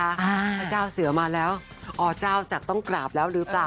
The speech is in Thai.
พระเจ้าเสือมาแล้วอเจ้าจะต้องกราบแล้วหรือเปล่า